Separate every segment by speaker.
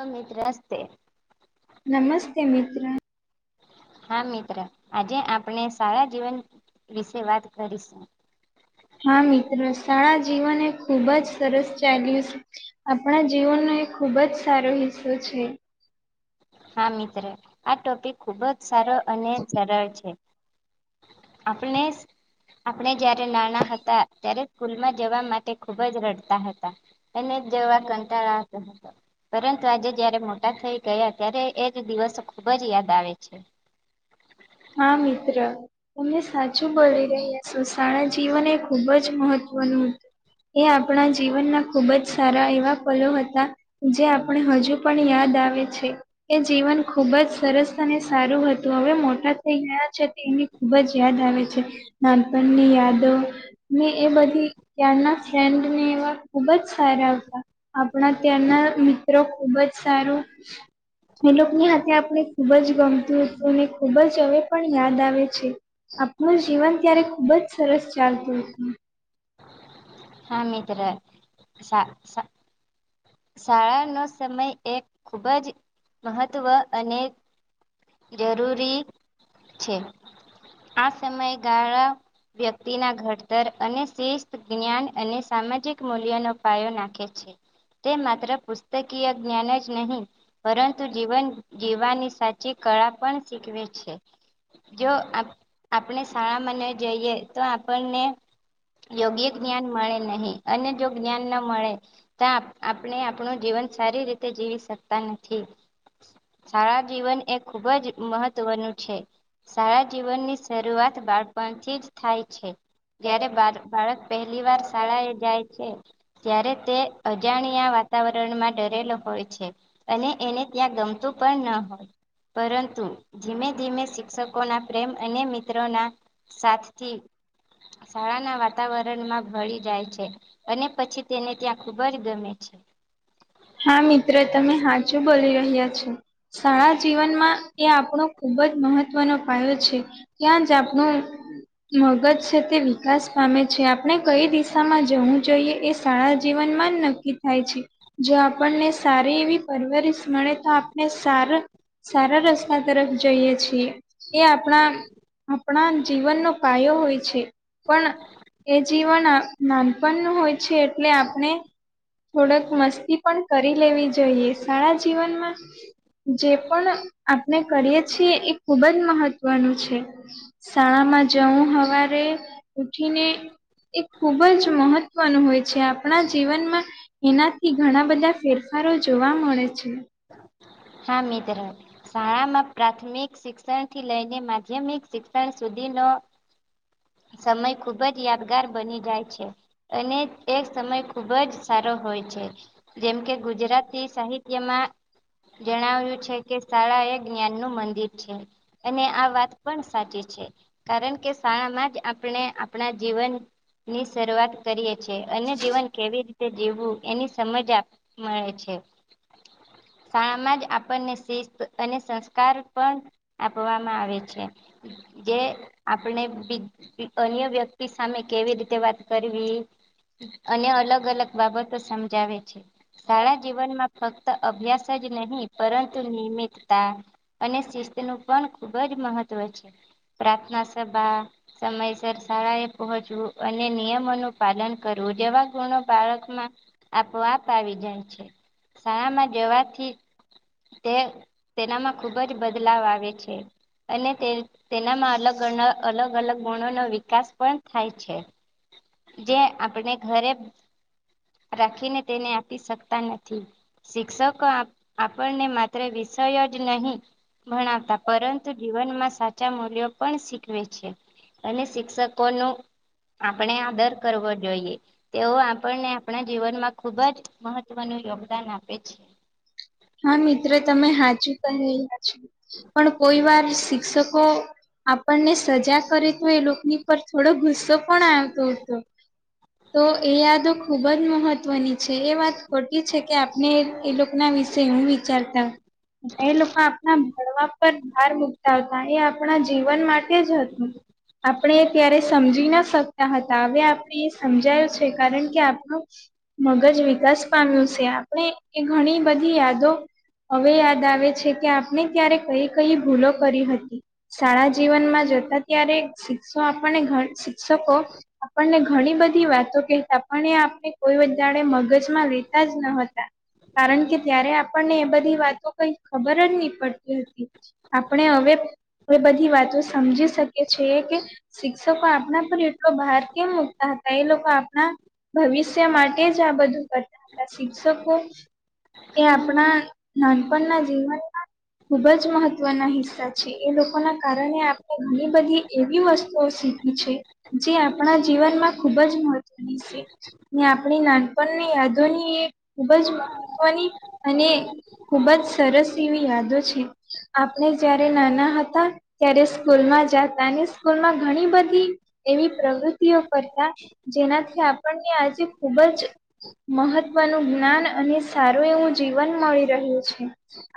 Speaker 1: અ મિત્ર હસ્તે
Speaker 2: નમસ્તે, મિત્ર.
Speaker 1: હા મિત્ર આજે આપણે શાળા જીવન વિશે વાત કરીશું.
Speaker 2: હા મિત્ર શાળા જીવન એ ખુબ જ સરસ ચાલ્યું છ. આપણા જીવનનો એક ખુબ જ સારો હિસ્સો છે.
Speaker 1: હા મિત્ર આ ટોપિક ખુબ જ સારો અને સરળ છે. આપને આપણે જયારે નાના હતા ત્યારે સ્કૂલમાં જવા માટે ખુબ જ રડતા હતા. એને જવા કંટાળ આવતો હતો પરંતુ આજે જયારે મોટા થઈ ગયા ત્યારે એજ દિવસ ખુબ જ યાદ આવે છે.
Speaker 2: હા મિત્ર તમે સા ચુ બોલી રહ્યા છો, શાળા જીવન એ ખુબ જ મહત્વનું હતું. એ આપણા જીવનના ખુબ જ સારા એવા પલો હતા જે આપણે હજુ પણ યાદ આવે છે. એ જીવન ખુબ જ સરસ અને સારું હતું, હવે મોટા થઇ ગયા છે તેની ખુબ જ યાદ આવે છે, નાનપણની યાદો ને એ બધી ત્યારના ફ્રેન્ડ ને એવા ખુબ જ સારા હતા આપણા ત્યાં ના મિત્રો ખુબ જ સારું એ લોકની હાથે આપણે ખુબ જ ગમતું હતું અને ખુબ જ હવે પણ યાદ આવે છે આપણું જીવન ત્યારે ખુબ જ સરસ ચાલતું હતું.
Speaker 1: હા મિત્ર સા, સા શાળાનો સમય એક ખૂબ જ મહત્વ અને જરૂરી છે, આ સમય ગાળા વ્યક્તિના ઘડતર અને શિસ્ત જ્ઞાન અને સામાજિક મૂલ્યનો પાયો નાખે છે. તે માત્ર પુસ્તકીય જ્ઞાન જ નહીં પરંતુ જીવન જીવવાની સાચી કળા પણ શીખવે છે. જો આપ આપણે શાળામાં ન જઈએ તો આપણને યોગ્ય જ્ઞાન મળે નહીં અને જો જ્ઞાન ન મળે તા આપણે આપણું જીવન સારી રીતે જીવી શકતા નથી. શાળા જીવન એ ખુબ જ મહત્વનું છે સારા જીવનની શરૂઆત બાળપણથી જ થાય છે જયારે બા બાળક પહેલી વાર શાળા એ જાય છે ત્યારે તે અજાણ્યા વાતાવરણમાં ડરેલો હોય છે અને એને ત્યાં ગમતું પણ ન હોય પરંતુ જીમે ધીમે શિક્ષકો ના પ્રેમ અને મિત્રોના સાથથી શાળાના વાતાવરણમાં ભળી જાય છે અને પછી તેને ત્યાં ખૂબ જ ગમે છે
Speaker 2: હા મિત્ર તમે હાચુ બોલી રહ્યા છો શાળા જીવનમાં એ આપણો ખુબ જ મહત્વનો પાયો છે ત્યાં જ આપણો મગજ છે તે વિકાસ પામે છે આપણે કઈ દિશામાં જવું જોઈએ એ શાળા જીવન માં જ નક્કી થાય છે જો આપણને સારી એવી પરવરશ મળે તો આપને સારા સારા રસ્તા તરફ જઈએ છીએ એ આપડા આપડા જીવનનો પાયો હોય છે પણ એ જીવન નાનપણ નું હોય છે એટલે આપણે થોડક મસ તી પણ કરી લેવી જોઈએ શાળા જીવનમાં જે પણ આપણે કરીએ છીએ એ ખુબ જ મહત્વનું છે શાળા માં જવું હવારે ઉઠીને એ ખુબ જ મહત્વનું હોય છે આપ પણા જીવનમાં એનાથી ઘણા બધા ફેરફારો જોવા મળે છે
Speaker 1: હા મિત્ર શાળામાં પ્રાથમિક શિક્ષણ થી લઈને માધ્યમિક શિક્ષણ સુધીનો સમય ખુબ જ યાદગાર બની જાય છે અને એ સમય ખૂબ જ સારો હોય છે જેમ કે ગુજરાતી સાહિત્યમાં જણાવ્યું છે કે શાળા એ જ્ઞાન નું મંદિર છે અને આ વાત પણ સાચી છે કારણ કે શાળામાં જ આપણે આપણા જીવન ની શરૂઆત કરીએ અને જીવન કેવી રીતે જીવવું એની સમજ મળે છે. શાળામાં જ આપણને શિસ્ત અને સંસ્કાર પણ આપવામાં આવે છે. જે આપણે બી. અન્ય વ્યક્તિ સામે કેવી રીતે વાત કરવી. અને અલગ અલગ બાબતો સમજાવે છે શાળા જીવનમાં ફક્ત અભ્યાસ. જ નહીં પરંતુ નિયમિતતા અને શિસ્ત નું પણ ખુબ જ મહત્વ છે. પ્રાર્થના સભા. સમયસર શાળા એ પહોચવું અને નિયમોનું પાલન કરવું જેવા ગુણો બાળકમાં. આપોઆપ આવી જાય છે શાળામાં જવાથી. તે તેનામાં ખુબ જ બદલાવ આવે છે અને તે. તેનામાં અલગ અલગ અલગ ગુણો નો વિકાસ પણ થાય છે. જે આપણે ઘરે. રાખીને તેને આપી શકતા નથી શિક્ષકો. આપણને માત્ર વિષય જ નહી ભણાવતા પરંતુ જીવનમાં સાચ- મૂલ્યો પણ શીખવે છે અને શિક્ષકોનું. આપણે આદર કરવો જોઈએ. તેઓ આપણને આપણા જીવનમાં ખુબ જ મહત્વનું યોગદાન આપે છે.
Speaker 2: હા મિત્રો તમે હાજુ ક્યા છો. પણ કોઈ વાર શિક્ષકો. આપણને સજા કરે તો એ લોકોની પર થોડો ગુસ્સો. પણ આવતો હતો તો એ યાદો ખુબ જ મહત્વની. છે એ વાત ખોટી છે કે આપણે એ લોકો ના વિશે હું વિચારતા. એ લોકો આપના ભણવા પર ભાર મુકતા હોતા એ. આપણા જીવન માટે જ હતું આપણે ત્યારે સમજી ના શકતા હતા હ. બી સમજાયું છે કારણ કે આપણ મગજ વિકાસ પામ્યું છે આપણે એ ઘણી બધી યાદો હવે યાદ આવે છે કે મેં ત્યારે કઈ કઈ ભૂલો કરી હતી. શાળા જીવનમાં જોતા ત્યારે શિક્ષો આપણને શિક્ષકો આપણને ઘણી બધી વાતો કેતા પણ એ આપણે કોઈ જાણે મગજમાં લેતા જ ન હતા કારણ કે ત્યારે આપણને એ બધી વાતો. કઈ ખબર જ નહી પડતી હતી. આપણે હવે બધી વાતો સમજી શકીએ છીએ કે શિક્ષકો આપણા પર એટલો બહાર કેમ મુૂકતા હતા એ લોકો આપણા ભવિષ્ય માટે એજ આ બધું કરતા હતા શિક્ષકો એ આપણા નાનપણના જીવનમાં. ખુબ જ મહત્વના હિસ્સા છે એ લોકોના કારણે આપણે ઘણી બધી એવી વસ્તુઓ શીખી. ઈચ્છે જે આપણા જીવનમાં ખુબ જ મહત્વની છે. આપણી નાનપણની યાદોની એ ખૂબ જ મહત્વની અને ખુબ જ સરસ એવી યાદો છે. આપણે જયારે નાના હતા ત્યારે સ્કૂલમાં જાતા અને સ્કૂલ માં ઘણી બધી. એવી પ્રવૃત્તિઓ કરતા જેનાથી આપણને આજે ખૂબ જ મહત્વનું જ્ઞાન અને સારું એવું જીવન મળી રહ્યું છે.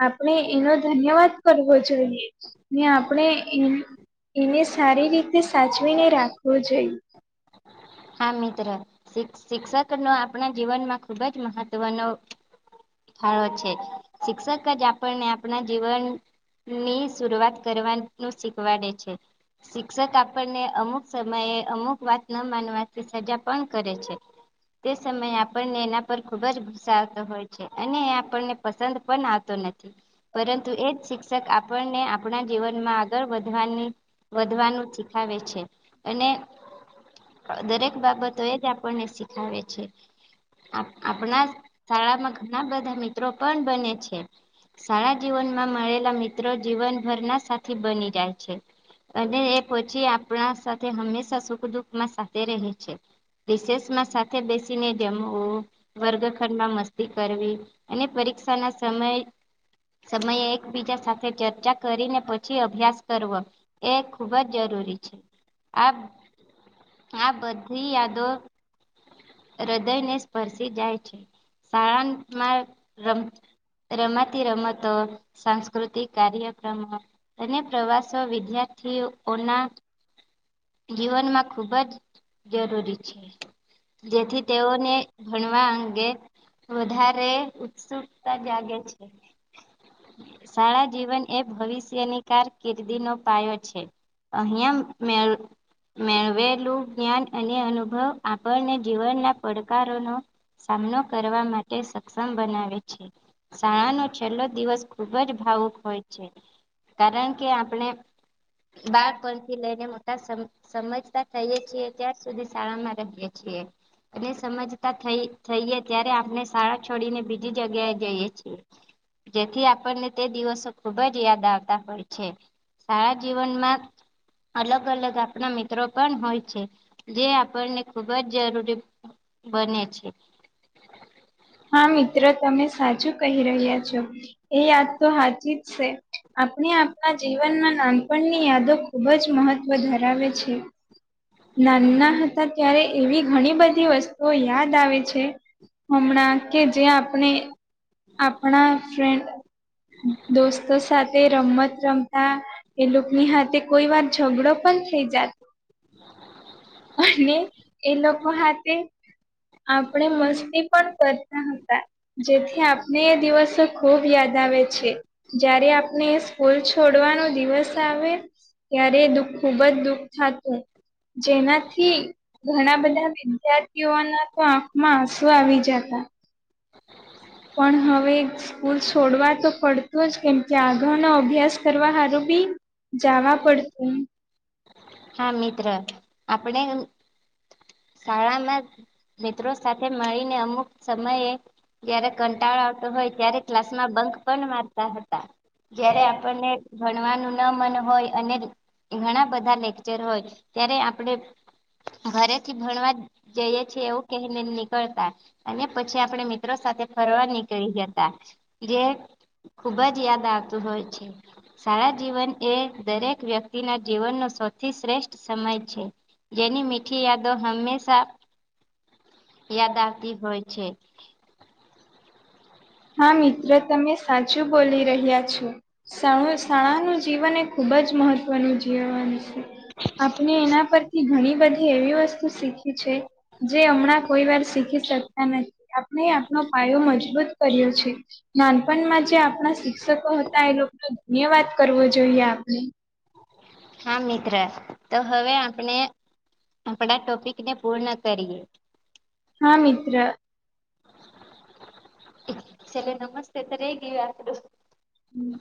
Speaker 2: આપણે એનો ધન્યવાદ કરવો જોઈએ ને આપણે એ એને સારી રીતે સાચવીને રાખવો જોઈએ.
Speaker 1: હા મિત્ર શિક્ષ શિક્ષક નો આપણા જીવનમાં ખુબ જ મહત્વનો ભાળો છે શિક્ષક જ આપણને આપણા જીવન ની શરૂઆત કરવાનું શીખવાડે છે. શિક્ષક આપણને અમુક સમયે અમુક વાત ના માનવા તે સજા પણ કરે છે. તે સમયે આપણને એના પર ખુબ જ ગુસ્સા આવતો હોય છે અને આપણને પસંદ પણ આવતો. તને પરંતુ એ જ શિક્ષક આપણને આપણા જીવનમાં આગળ વધવાની વધવાનું શીખાવે છે અને દરેક બાબતો એ જ આપણને શીખાવે છે. આપ આપણા શાળામાં ઘણા બધા મિત્રો પણ બને છે. શાળા જીવનમાં મળેલા મિત્રો જીવનભરના સા થી બની જાય છે અને એ પછી આપણા સાથે હંમેશા સુખ દુખમાં સા દે રહે છે વિશેષમાં સાથે બેસીને જમવું વર્ગખંડમાં મસ્તી કરવી અને પરીક્ષા ના સમય સમયે એકબીજા સાથે ચર્ચા કરીને પછી અભ્યાસ કરવો એ ખુબ જ જરૂરી છે આ આ બધી યાદો હૃદય ને સ્પર્શી જાય છે. શળાનમાં રમ રમાતી રમતો સાંસ્કૃતિક કાર્યક્રમો અને પ્રવાસો વિદ્યાર્થીઓના જીવનમાં ખૂબ જ જરૂરી છે. જેથી તેઓને ભણવા અંગે વધારે સુખતા જાગે છે. શાળા જીવન એ ભવિષ્યની કારકિર્દી નો પાયો છે. અહીયા મે મેળવેલું જ્ઞાન અને અનુભવ આપણને જીવનના પડકારોનો સામનો કરવા માટે સક્ષમ બનાવે છે શાળાનો છેલ્લો દિવસ ખુબ જ ભાવુક હોય છે. કારણ કે આપણે બાળપણ થી લઈને મોટા સમ સમય તા ત્યાં સુધી શાળામાં રહીએ છીએ અને સમજતા થઈ થઈએ ત્યારે આપણે શાળા છોડીને બીજી જગ્યાએ જઈએ છીએ જેથી આપણને તે દિવસો ખુબ જ યાદ આવતા હોય છે સારા જીવ વનમાં અલગ અલગ આપ મિત્રો પણ હોય છે જે આપણને ખુબ જ જરૂરી બને છે
Speaker 2: હા મિત્ર તમે સાચું કહી રહ્યા છો એ યાદ તો હાચી જ છે આપણે આપણા જીવનમાં નાનપણની યાદો ખૂબ જ મહત્વ ધરાવે છે નાના હતા ત્યારે એવી ઘણી બધી વસ્તુઓ યાદ આવે છે. હમણાં કે જેયા આપણે આપણા ફેન્ડ દોસ્તો સાથે રમત રમતા એ લોકોની હાથે કોઈ વાર ઝઘડો પણ થઈ જાત અને એ લોકો હાથે આપણે મસ્તી પણ કર જેથી આપને એ દિવસો ખુબ યાદ આવે છે. જયારે આપને સ્કૂલ છોડવાનો દિવસ આવે ત્યારે દુઃ ખૂબ જ દુઃખ થતું જેનાથી ઘણા બધા વિદ્યાર્થીઓના તો આંખમાં આંસુ આવી જતા પણ હવે સ્કૂલ છોડવા તો પડતું જ કેમ કે આગા નો અભ્યાસ કરવા સારું બી જાવા પડતું
Speaker 1: હા મિત્ર આપણે શાળામાં મિત્રો સાથે મળીને અમુક સમયે જયારે કંટાળો આવતો હોય ત્યારે ક્લાસ માં બંક પણ મારતા હતા જયારે આપણને ભણવાનું ના મન હોય અને ઘણા બધા લે ક્ચર હોય ત્યારે આપડે ઘરે થી ભણવા જઈએ એ એવું કહીને નીકળતા, અને પછી, આપણે મિત્રો સાથે ફરવા નીકળી જતા જે ખુબ જ યાદ આવતું હોય છે. સારા જીવન એ દરેક વ્યક્તિના જીવનનો સ્વચ્થ થી શ્રેષ્ઠ સમય છે, જેની મીઠી યાદો હંમેશા યાદ આાવતી હોય છે.
Speaker 2: હા, મિત્ર તમે સાચું બોલી રહ્યા છો [inaudible] જીવન એ ખૂબ જ મહત્વનું જીવન છે આપણે એના પરથી ઘણી બધી એવી વસ્તુ શીખ જે હમણાં કોઈ વાર શીખી શકતા નથી, આપણે આપનો પાયો મજબૂત કર્યો છે. નાનપણમાં જે આપણા શિક્ષકો હતા એ લોકોનો ધન્યવાદ કરવો જોઈએ આપણે,
Speaker 1: હા, મિત્ર તો હવે આપણે આપણા ટોપિકને પૂર્ણ કરીએ.
Speaker 2: હા, મિત્ર
Speaker 1: ચલે નમસ્તે તો રહી ગયું આપડું.
Speaker 2: હમ્મ